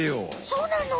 そうなの？